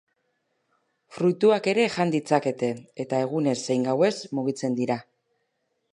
Fruituak ere jan ditzakete eta egunez zein gauez mugitzen dira.